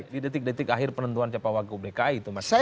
di detik detik akhir penentuan capawaku dki itu mbak ferry